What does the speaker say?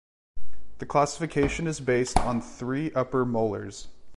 The classification is based on three upper molars.